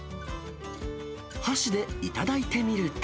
箸で頂いてみると。